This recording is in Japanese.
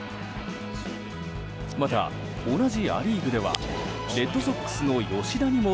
また、同じア・リーグではレッドソックスの吉田にも